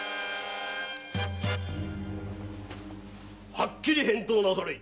はっきり返答なされい！